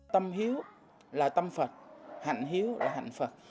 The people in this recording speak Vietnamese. tâm hiếu là tâm phật hạnh hiếu là hạnh phật